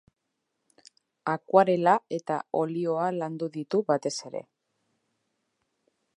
Akuarela eta olioa landu ditu batez ere.